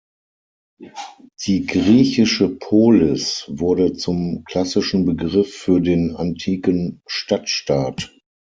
Die griechische Polis wurde zum klassischen Begriff für den antiken Stadtstaat.